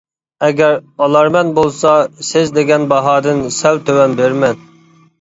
ئەگەر ئالارمەن بولسا، سىز دېگەن باھادىن سەل تۆۋەن بېرىمەن.